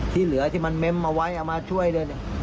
ที่เหลือที่มันเม้มเอาไว้เอามาช่วยเลย